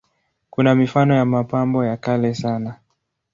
Kuna mifano ya mapambo ya kale sana.